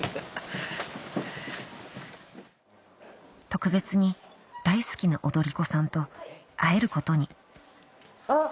特別に大好きな踊り子さんと会えることにあっ！